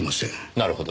なるほど。